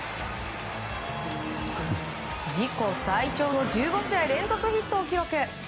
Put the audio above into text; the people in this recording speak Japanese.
自己最長の１５試合連続ヒットを記録。